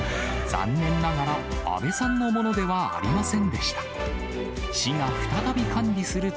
残念ながら、阿部さんのものではありませんでした。